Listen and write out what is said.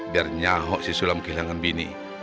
biar nyahok si sulam kehilangan bini